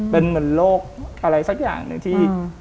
เป็นเหมือนโรคอะไรสักอย่างหนึ่งที่